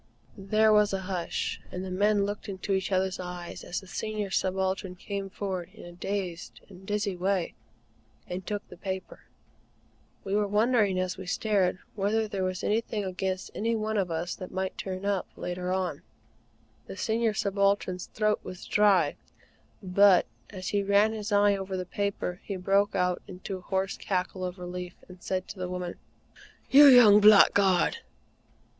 There was a hush, and the men looked into each other's eyes as the Senior Subaltern came forward in a dazed and dizzy way, and took the paper. We were wondering as we stared, whether there was anything against any one of us that might turn up later on. The Senior Subaltern's throat was dry; but, as he ran his eye over the paper, he broke out into a hoarse cackle of relief, and said to the woman: "You young blackguard!"